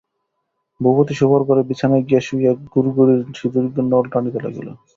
ভূপতি শোবার ঘরে বিছানায় গিয়া শুইয়া গুড়গুড়ির সুদীর্ঘ নল টানিতে লাগিল।